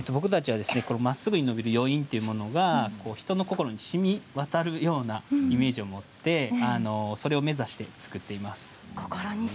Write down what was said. まっすぐに伸びる余韻というのが人の心にしみ渡るようなイメージを持っていてそれを目指して作っています。